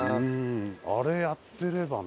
あれやってればな。